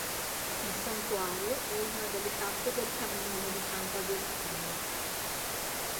Il Santuario è una delle tappe del Cammino di Sant'Agostino.